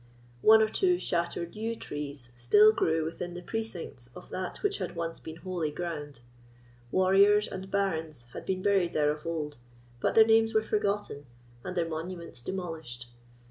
One or two shattered yew trees still grew within the precincts of that which had once been holy ground. Warriors and barons had been buried there of old, but their names were forgotten, and their monuments demolished.